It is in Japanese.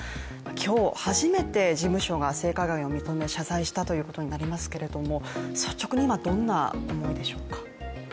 今日初めて事務所が性加害を認め謝罪したということになりますけれども、率直に今、どんな思いでしょうか。